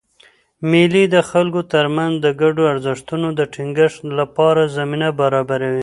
مېلې د خلکو ترمنځ د ګډو ارزښتونو د ټینګښت له پاره زمینه برابروي.